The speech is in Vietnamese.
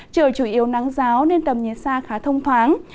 trời chủ yếu nắng giáo nên tầm nhìn xa khá thông thoáng